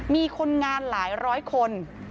มีคนงานหลายร้อยคน